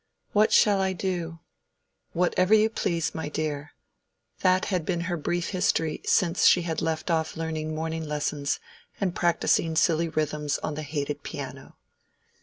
— "What shall I do?" "Whatever you please, my dear:" that had been her brief history since she had left off learning morning lessons and practising silly rhythms on the hated piano.